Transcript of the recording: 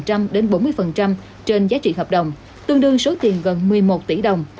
trăm đến bốn mươi phần trăm trên giá trị hợp đồng tương đương số tiền gần một mươi một tỷ đồng